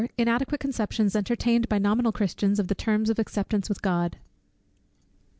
_Inadequate conceptions entertained by nominal Christians of the terms of acceptance with God.